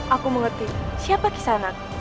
aku mengerti siapa kisah anak